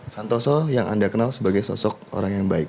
santoso yang anda kenal sebagai sosok orang yang baik